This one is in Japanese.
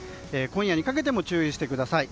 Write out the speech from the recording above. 今夜にかけても注意してください。